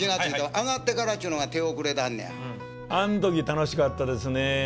あん時楽しかったですねぇ。